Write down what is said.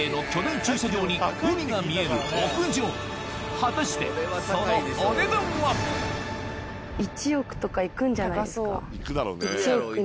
果たしてそのお値段は？いくんじゃないですか？